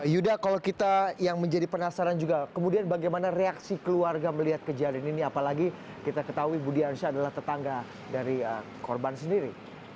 yuda kalau kita yang menjadi penasaran juga kemudian bagaimana reaksi keluarga melihat kejadian ini apalagi kita ketahui budi ansyah adalah tetangga dari korban sendiri